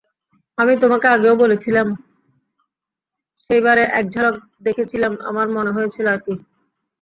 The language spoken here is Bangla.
আমি তোমাকে আগেও বলেছিলাম, সেই বারে এক ঝলক দেখেছিলাম আমার মনে হয়েছিল আর কি!